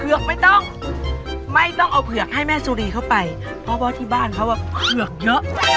เพือกไม่ต้องไม่ต้องเอาเพือกให้แม่สุรีเข้าไปพ่อบอกบ้านเนี่ยมีเพือกเยอะ